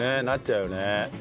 なっちゃうよね。